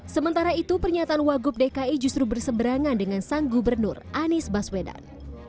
sementara itu pernyataan wagub dki justru berseberangan dengan sang gubernur anies baswedan